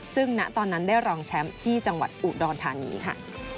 ซึ่งณตอนนั้นได้รองแชมป์ที่จังหวัดอุดรธานีค่ะ